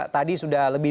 tadi sudah lebih lebih